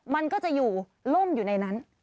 มันก็จะอยู่ล่มอยู่ในนั้น